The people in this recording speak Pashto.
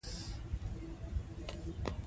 دا د شیانو د خرڅولو څخه عبارت دی.